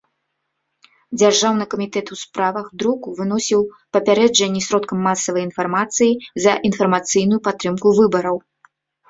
Дзяржаўны камітэт у справах друку выносіў папярэджанні сродкам масавай інфармацыі за інфармацыйную падтрымку выбараў.